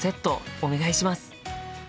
お願いします！